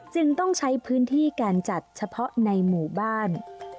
จึงต้องใช้พื้นที่การจัดเฉพาะในหมู่บ้าน